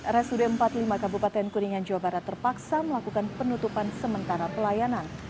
rsud empat puluh lima kabupaten kuningan jawa barat terpaksa melakukan penutupan sementara pelayanan